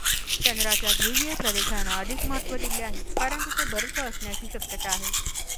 चंद्राच्या ध्रुवीय प्रदेशांना अधिक महत्त्व दिले आहे, कारण तिथे बर्फ असण्याची शक्यता आहे.